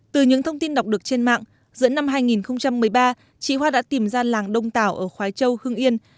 từ những thông tin đọc được trên mạng giữa năm hai nghìn một mươi ba chị hoa đã tìm ra làng đông tảo ở khói châu hưng yên